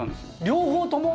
両方とも？